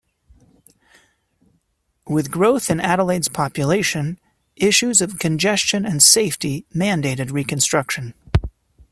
With growth in Adelaide's population issues of congestion and safety mandated reconstruction.